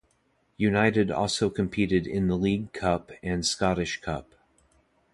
United also competed in the League Cup and Scottish Cup.